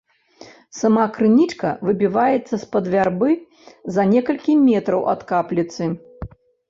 Сама крынічка выбіваецца з-пад вярбы за некалькі метраў ад капліцы.